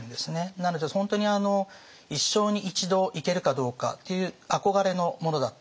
なので本当に一生に一度行けるかどうかっていう憧れのものだった。